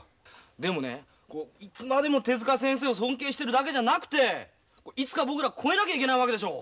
でもねいつまでも手先生を尊敬してるだけじゃなくていつか僕ら超えなきゃいけないわけでしょう。